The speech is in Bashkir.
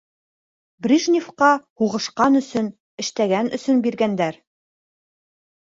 Брижнифҡа һуғышҡан өсөн, эштәгән өсөн биргәндәр.